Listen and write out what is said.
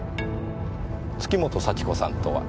月本幸子さんとは？